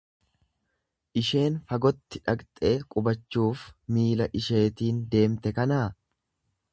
Isheen fagotti dhaqxee qubachuuf miila isheetiin deemte kanaa?